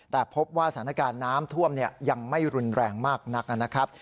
แต่พบว่าสถานการณ์น้ำท่วมยังไม่รุนแรงมากนักนะครับ